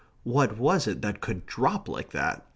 What was it that could DROP like that?